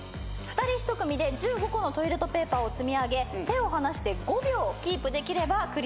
２人１組で１５個のトイレットペーパーを積み上げ手を離して５秒キープできればクリアとなります。